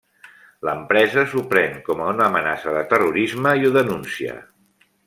L'empresa s'ho pren com a una amenaça de terrorisme i ho denuncia.